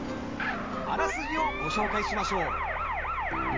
あらすじをご紹介しましょう。